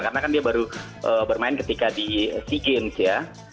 karena kan dia baru bermain ketika di sea games ya